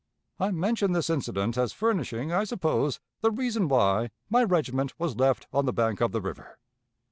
I mention this incident as furnishing, I suppose, the reason why my regiment was left on the bank of the river.